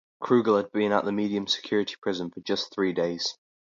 Krugel had been at the medium security prison for just three days.